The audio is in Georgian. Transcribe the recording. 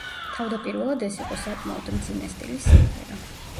თავდაპირველად ეს იყო საკმაოდ მძიმე სტილის სიმღერა.